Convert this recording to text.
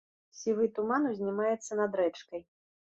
Сівы туман узнімаецца над рэчкай.